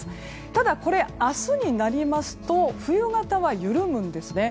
ただ、明日になりますと冬型は緩むんですね。